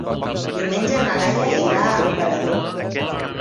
Diumenge na Laia irà a Emperador.